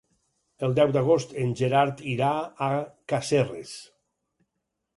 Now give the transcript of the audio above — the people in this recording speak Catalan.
El deu d'agost en Gerard irà a Casserres.